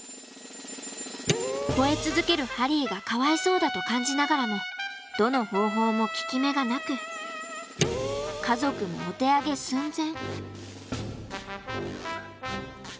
吠え続けるハリーがかわいそうだと感じながらもどの方法も効き目がなく家族もお手上げ寸前。